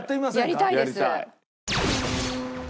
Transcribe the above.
やりたいです。